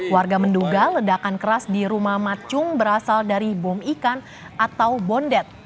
warga menduga ledakan keras di rumah matcung berasal dari bom ikan atau bondet